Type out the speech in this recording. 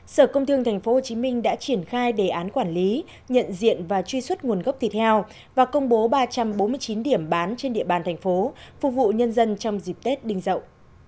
sở công thương tp hcm đã triển khai đề án quản lý nhận diện và truy xuất nguồn gốc thịt heo và công bố ba trăm bốn mươi chín điểm bán trên địa bàn thành phố phục vụ nhân dân trong dịp tết đinh dậu